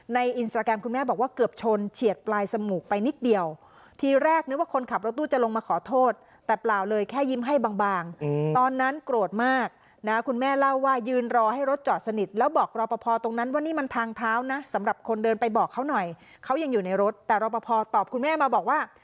อินสตราแกรมคุณแม่บอกว่าเกือบชนเฉียดปลายจมูกไปนิดเดียวทีแรกนึกว่าคนขับรถตู้จะลงมาขอโทษแต่เปล่าเลยแค่ยิ้มให้บางตอนนั้นโกรธมากนะคุณแม่เล่าว่ายืนรอให้รถจอดสนิทแล้วบอกรอปภตรงนั้นว่านี่มันทางเท้านะสำหรับคนเดินไปบอกเขาหน่อยเขายังอยู่ในรถแต่รอปภตอบคุณแม่มาบอกว่า